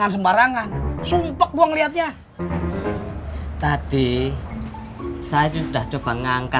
sampai jumpa di video selanjutnya